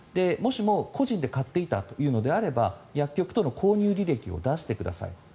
もしも、個人で買っていたのであれば薬局の購入履歴を出してください。